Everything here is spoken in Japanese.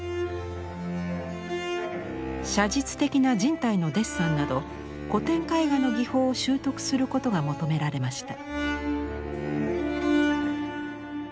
写実的な人体のデッサンなど古典絵画の技法を習得することが求められました。